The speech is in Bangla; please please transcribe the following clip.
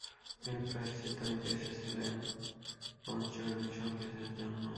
তিনি "প্রায়শ্চিত্ত" নিতে চেয়েছিলেন "পঞ্চ হুড মিশন কেস"-এর জন্য।